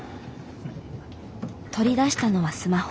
取り出したのはスマホ。